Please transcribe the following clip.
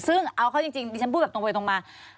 ซึ่งเอาเข้าจริงดิฉันพูดแบบตรงไปตรงมา